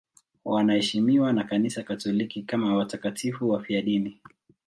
Wanaheshimiwa na Kanisa Katoliki kama watakatifu wafiadini.